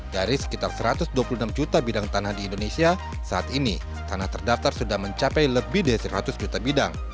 dari sekitar satu ratus dua puluh enam juta bidang tanah di indonesia saat ini tanah terdaftar sudah mencapai lebih dari seratus juta bidang